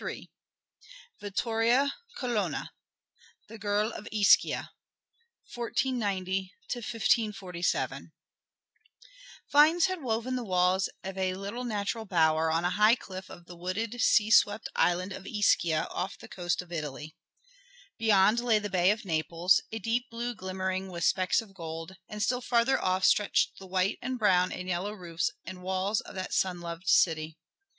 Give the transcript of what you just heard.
III Vittoria Colonna The Girl of Ischia: 1490 1547 Vines had woven the walls of a little natural bower on a high cliff of the wooded, sea swept island of Ischia off the coast of Italy. Beyond lay the bay of Naples, a deep blue glimmering with specks of gold, and still farther off stretched the white and brown and yellow roofs and walls of that sun loved city.